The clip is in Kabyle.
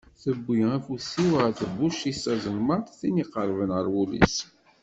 Tiwi afus-iw ɣer tebbuct-is tazelmaḍt, tin iqerben ɣer wul-is.